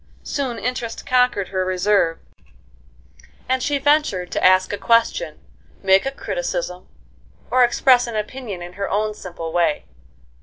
Soon interest conquered her reserve, and she ventured to ask a question, make a criticism, or express an opinion in her own simple way.